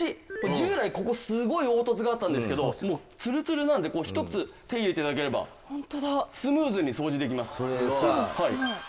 従来ここすごい凹凸があったんですけどもうツルツルなのでひとつ手入れて頂ければスムーズに掃除できます。